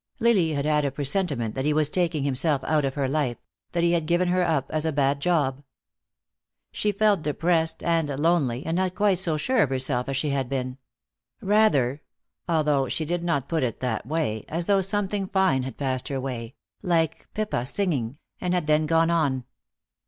Lily had had a presentiment that he was taking himself out of her life, that he had given her up as a bad job. She felt depressed and lonely, and not quite so sure of herself as she had been; rather, although she did not put it that way, as though something fine had passed her way, like Pippa singing, and had then gone on.